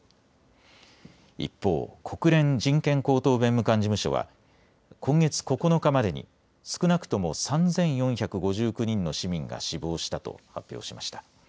一方、国連人権高等弁務官事務所は今月９日までに少なくとも３４５９人の市民が死亡したと発表しました。